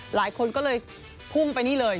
หลายคนก็เลยพุ่งไปนี่เลย